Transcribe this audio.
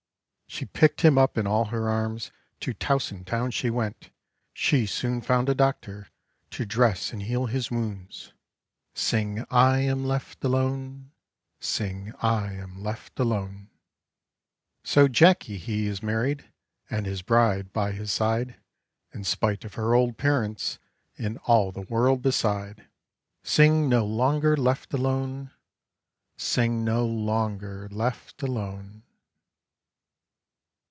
She picked him up all in her arms, To Tousen town she went; She soon found a doctor To dress and heal his wounds, Sing I am left alone, Sing I am left alone. So Jacky, he is married, And his bride by his side, In spite of her old parents And all the world beside. Sing no longer left alone, Sing no longer left alone.